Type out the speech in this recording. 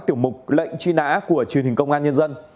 tiểu mục lệnh truy nã của truyền hình công an nhân dân